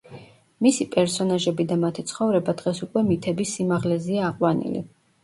მისი პერსონაჟები და მათი ცხოვრება დღეს უკვე მითების სიმაღლეზეა აყვანილი.